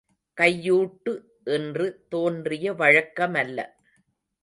கையூட்டு இன்று தோன்றிய வழக்கமல்ல.